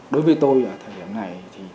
đối với tôi ở thời điểm này